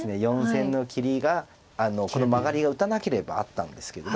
４線の切りがこのマガリ打たなければあったんですけど。